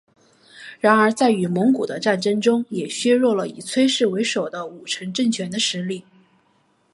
然而在与蒙古的战争中也削弱了以崔氏为首的武臣政权的实力。